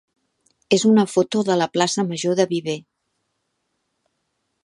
és una foto de la plaça major de Viver.